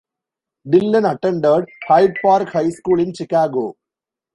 Dillon attended Hyde Park High School in Chicago.